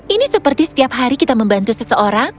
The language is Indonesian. ini seperti setiap hari kita membantu seseorang